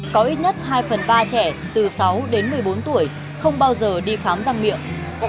có ít nhất hai phần ba trẻ từ sáu đến một mươi bốn tuổi không bao giờ đi khám răng miệng